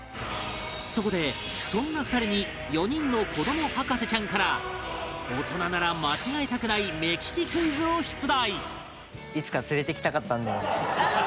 そこでそんな２人に４人の子ども博士ちゃんから大人なら間違えたくない目利きクイズを出題